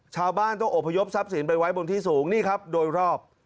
ชาวบ้านต้องอบพยพทรัพย์สินไปไว้บนที่สูงนี่ครับโดยรอบ